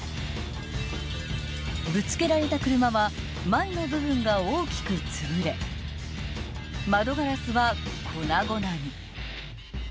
［ぶつけられた車は前の部分が大きくつぶれ窓ガラスは粉々に］